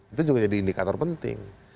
itu juga jadi indikator penting